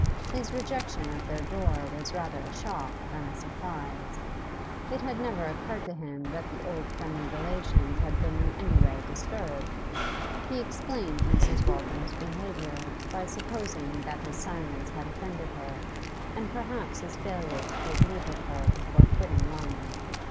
His rejection at their door was rather a shock than a surprise; it had never occurred to him that the old friendly relations had been in any way disturbed; he explained Mrs. Waltham's behaviour by supposing that his silence had offended her, and perhaps his failure to take leave of her before quitting Wanley.